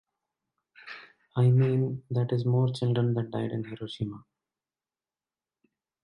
I mean, that is more children than died in Hiroshima.